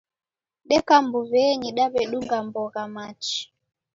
Deka mbuw'enyi, daw'edunga mbogha machi